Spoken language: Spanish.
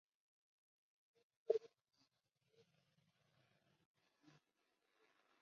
Fue educado en The Grange, Stevenage, y en la Abingdon School, Berkshire.